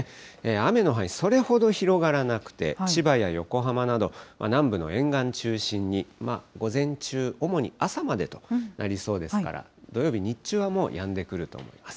雨の範囲、それほど広がらなくて、千葉や横浜など、南部の沿岸中心に、まあ午前中、主に朝までとなりそうですから、土曜日日中は、もうやんでくると思います。